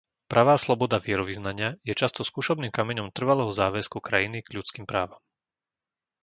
Pravá sloboda vierovyznania je často skúšobným kameňom trvalého záväzku krajiny k ľudským právam.